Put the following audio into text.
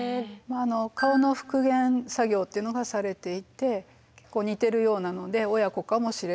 顔の復元作業っていうのがされていて結構似てるようなので親子かもしれない。